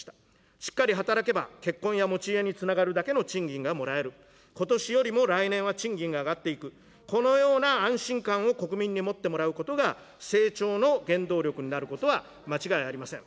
しっかり働けば、結婚や持ち家につながるだけの賃金がもらえる、ことしよりも来年は賃金が上がっていく、このような安心感を国民に持ってもらうことが、成長の原動力になることは間違いありません。